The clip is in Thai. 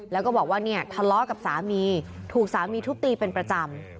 แล้วก็บอกว่าเนี่ยทะเลาะกับสามีถูกสามีทุบตีเป็นประจำ